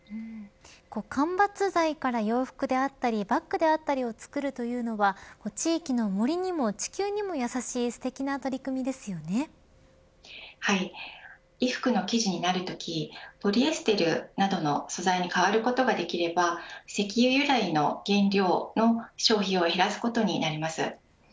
間伐材から洋服やバッグであったりというのを作るのは地域の森にも地球にも優しいすてきな衣服の生地になるときポリエステルなどの素材に代わることができれば石油由来の原料の消費を減らすことになります。